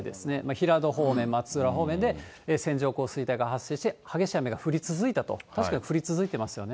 平戸方面、松浦方面で線状降水帯が発生して、激しい雨が降り続いたと、確かに降り続いてますよね。